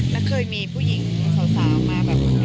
และเคยมีผู้หญิงเสามาถามทาง